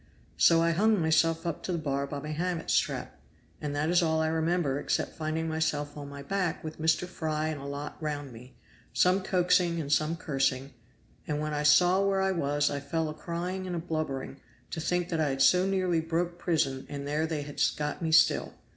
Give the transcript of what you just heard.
So I hung myself up to the bar by my hammock strap, and that is all I remember except finding myself on my back, with Mr. Fry and a lot round me, some coaxing and some cursing; and when I saw where I was I fell a crying and blubbering, to think that I had so nearly broke prison and there they had got me still.